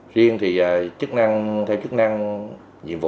riêng thì theo chức năng nhiệm vụ